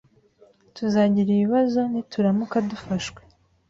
Tuzagira ibibazo nituramuka dufashwe.